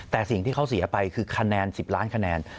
แต่สิ่งที่เขาเสียไปคือคะแนน๑๐ล้านคะแนน